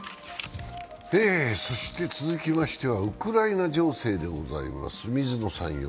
続きましてはウクライナ情勢でございます。